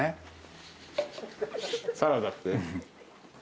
サラダって。